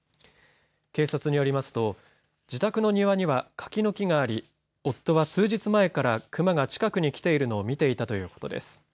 警察によりますと自宅の庭には柿の木があり夫は数日前からクマが近くに来ているのを見ていたということです。